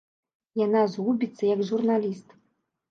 Яна згубіцца як журналіст.